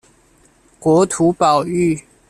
國土保育